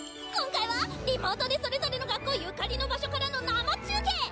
今回はリモートでそれぞれの学校ゆかりの場所からの生中継！